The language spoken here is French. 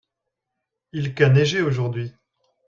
Il ca neiger aujourd'hui.